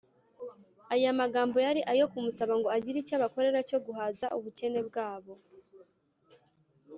” Aya magambo yari ayo kumusaba ngo agire icyo abakorera cyo guhaza ubukene bwabo